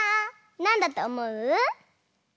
なんだとおもう？